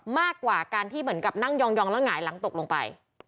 มากกว่าการที่เหมือนกับนั่งยองแล้วหงายหลังตกลงไป